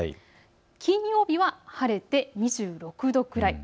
金曜日は晴れて２６度くらい。